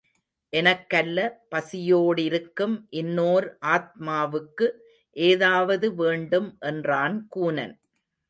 எனக்கல்ல, பசியோடிருக்கும் இன்னோர் ஆத்மாவுக்கு ஏதாவது வேண்டும் என்றான் கூனன்.